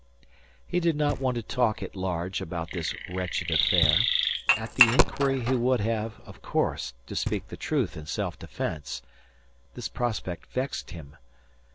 He did not want to talk at large about this wretched affair. At the inquiry he would have, of course, to speak the truth in self defence. This prospect vexed him.